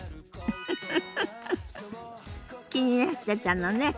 フフフフ気になってたのね。